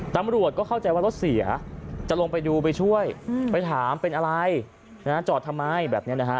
ตำรวจก็เข้าใจว่ารถเสียจะลงไปดูไปช่วยไปถามเป็นอะไรนะฮะจอดทำไมแบบนี้นะฮะ